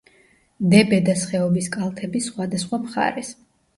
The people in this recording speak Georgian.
დებედას ხეობის კალთების სხვადასხვა მხარეს.